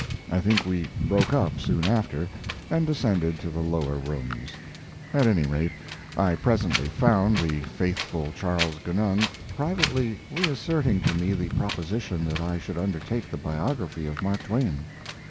I think we broke up soon after, and descended to the lower rooms. At any rate, I presently found the faithful Charles Genung privately reasserting to me the proposition that I should undertake the biography of Mark Twain.